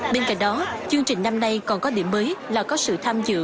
bên cạnh đó chương trình năm nay còn có điểm mới là có sự tham dự